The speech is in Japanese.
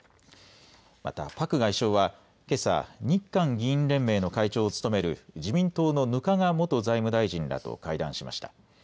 またパク外相はけさ、日韓議員連盟の会長を務める自民党の額賀元財務大臣らと会談しました。